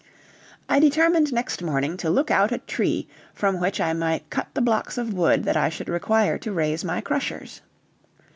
I determined next morning to look out a tree from which I might cut the blocks of wood that I should require to raise my crushers.